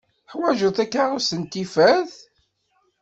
Ḥwaǧeɣ takeṛust n tifert.